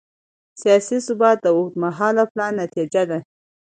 سیاسي ثبات د اوږدمهاله پلان نتیجه ده